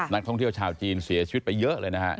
นักท่องเที่ยวชาวจีนเสียชีวิตไปเยอะเลยนะฮะ